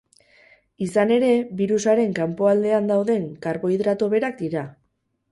Izan ere, birusaren kanpoaldean dauden karbohidrato berak dira.